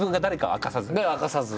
明かさず。